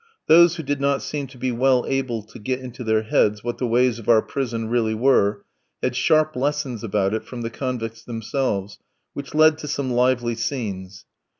Those who did not seem to be well able to get into their heads what the ways of our prison really were, had sharp lessons about it from the convicts themselves, which led to some lively scenes.